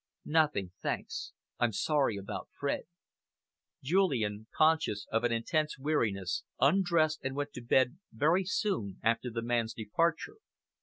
"Nothing, thanks. I'm sorry about Fred." Julian, conscious of an intense weariness, undressed and went to bed very soon after the man's departure.